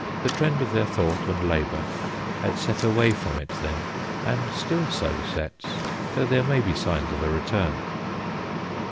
The trend of their thought and labour had set away 102 THE GHOSTS OF PICCADILLY from it then, and still so sets, though there may be signs of a return.